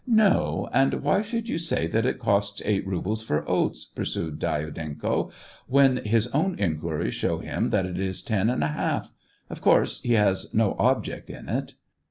" No, and why should you say that it costs eight rubles for oats," pursued Dyadenko, " when his own inquiries show him that it is ten and a half ; of course, he has no object in it."